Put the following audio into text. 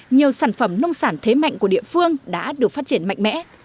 nhiều sản phẩm nông sản thế mạnh của địa phương đã được phát triển mạnh mẽ